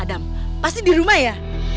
adam pasti di rumah ya